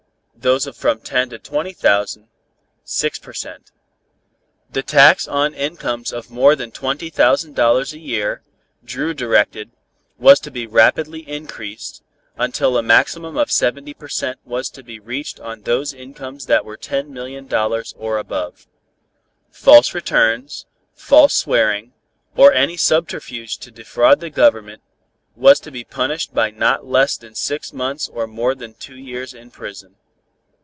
those of from ten to twenty thousand, six per cent. The tax on incomes of more than twenty thousand dollars a year, Dru directed, was to be rapidly increased, until a maximum of seventy per cent. was to be reached on those incomes that were ten million dollars, or above. False returns, false swearing, or any subterfuge to defraud the Government, was to be punished by not less than six months or more than two years in prison.